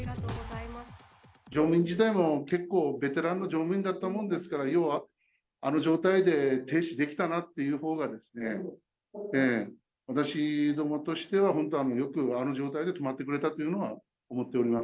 乗務員自体も結構ベテランの乗務員だったものですから、ようはあの状態で、停止できたなというほうが、私どもとしては、本当によくあの状態で止まってくれたというのは思っております。